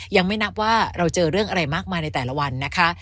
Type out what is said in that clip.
ยังไม่นับว่าเราเจอเรื่องอะไรมากมายในแต่ละวันนะคะ